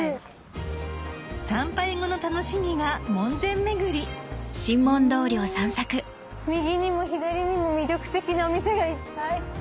参拝後の楽しみが門前巡り右にも左にも魅力的なお店がいっぱい。